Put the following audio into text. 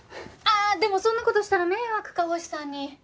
ああでもそんな事したら迷惑か星さんに。